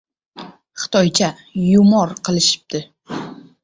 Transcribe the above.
"Xitoycha" yumor qilishibdi.